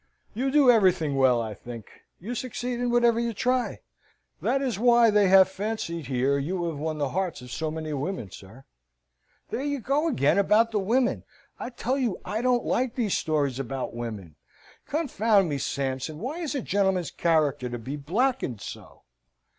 "You do everything well, I think. You succeed in whatever you try. That is why they have fancied here you have won the hearts of so many women, sir." "There you go again about the women! I tell you I don't like these stories about women. Confound me, Sampson, why is a gentleman's character to be blackened so?"